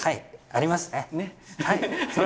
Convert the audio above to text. あります。